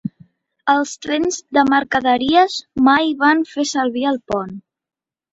Els trens de mercaderies mai van fer servir el pont.